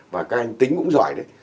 và các anh tính cũng giỏi đấy